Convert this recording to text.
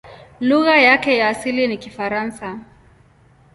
Lugha yake ya asili ni Kifaransa.